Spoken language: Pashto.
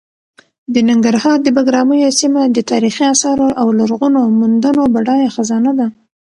د ننګرهار د بګراميو سیمه د تاریخي اثارو او لرغونو موندنو بډایه خزانه ده.